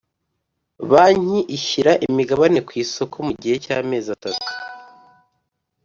Banki ishyira imigabane ku isoko mugihe cy’amezi atatu